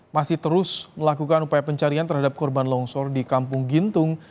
masih terus melakukan upaya pencarian terhadap korban longsor di kampung gintung